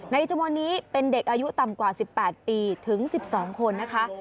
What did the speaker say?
จำนวนนี้เป็นเด็กอายุต่ำกว่า๑๘ปีถึง๑๒คนนะคะ